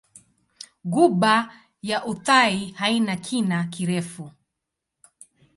Ghuba ya Uthai haina kina kirefu.